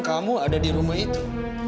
kamu ada di rumah itu